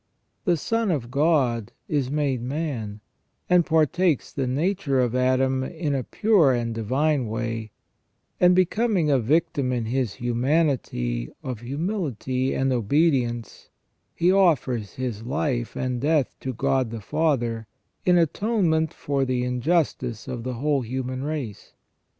The Son of God is made man, and partakes the nature of Adam in a pure and divine way, and becoming a victim in His humanity of humility and obedience, He offers His life and death to God the Father in atonement for the injustice of the whole human race.